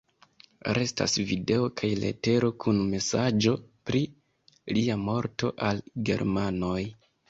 Restas video kaj letero kun mesaĝo pri lia morto al germanoj.